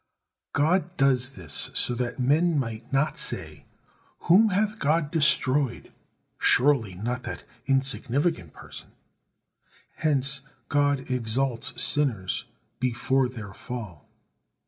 God does this so that men might not say, "Whom hath God destroyed? Surely not that insignificant person," hence God exalts sinners before their fall.